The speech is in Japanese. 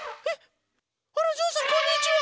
あらぞうさんこんにちは。